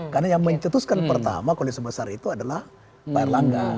karena yang mencetuskan pertama koalisi besar itu adalah pak erlangga